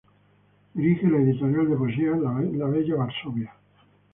Dirige la editorial de poesía La Bella Varsovia.